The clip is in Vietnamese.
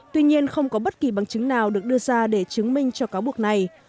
tuy nhiên không có bất kỳ bằng chứng nào được đưa ra để chứng minh cho cáo buộc này